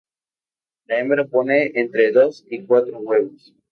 La hembra pone entre dos y cuatro huevos.